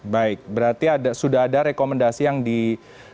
baik berarti sudah ada rekomendasi yang diberikan